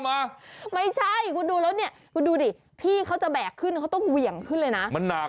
มาไม่ใช่คุณดูแล้วเนี่ยคุณดูดิพี่เขาจะแบกขึ้นเขาต้องเหวี่ยงขึ้นเลยนะมันหนัก